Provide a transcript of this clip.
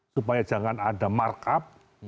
supaya jangan ada markup